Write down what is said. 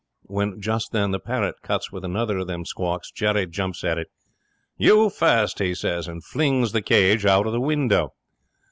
When just then the parrot cuts with another of them squawks. Jerry jumps at it. '"You first," he says, and flings the cage out of the window.